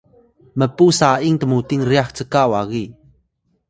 mpu sa’ing tmuting ryax cka wagi